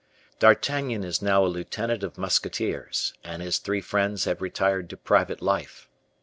D'Artagnan is now a lieutenant of musketeers, and his three friends have retired to private life.